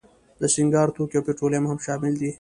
د سینګار توکي او پټرولیم هم شامل دي.